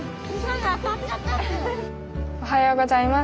おはようございます。